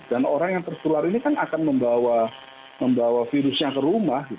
dan orang yang terseluar ini kan akan membawa virusnya ke rumah